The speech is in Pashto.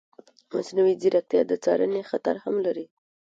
مصنوعي ځیرکتیا د څارنې خطر هم لري.